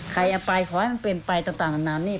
ใครเอาไปขอให้มันเป็นไปต่างนานานี่